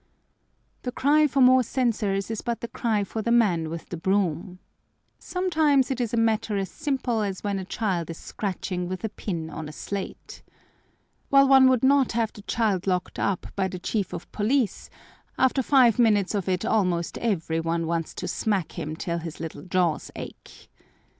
The cry for more censors is but the cry for the man with the broom. Sometimes it is a matter as simple as when a child is scratching with a pin on a slate. While one would not have the child locked up by the chief of police, after five minutes of it almost every one wants to smack him till his little jaws ache.